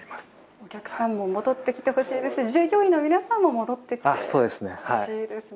お客さんも戻ってきてほしいですし従業員の皆さんも戻ってきてほしいですね